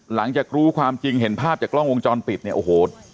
หลังจากรู้ความจริงเห็นภาพจากกล้องวงจรปิดเนี่ยโอ้โห